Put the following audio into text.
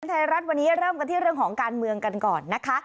ไทยรัฐวันนี้เริ่มกันที่เรื่องของการเมืองกันก่อนนะคะ